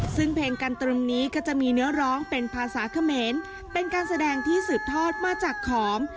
ซึ่งเพลงกันตรึงนี้ก็จะมีเนื้อร้องเป็นภาษาเขมรเป็นการแสดงที่สืบทอดมาจากขอม